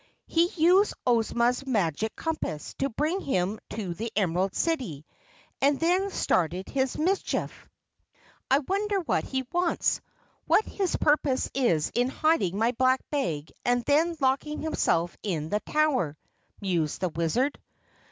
He used Ozma's Magic Compass to bring him to the Emerald City and then started his mischief!" "I wonder what he wants what his purpose is in hiding my Black Bag and then locking himself in the tower?" mused the Wizard.